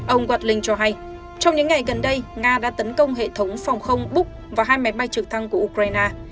ông ardlin cho hay trong những ngày gần đây nga đã tấn công hệ thống phòng không book và hai máy bay trực thăng của ukraine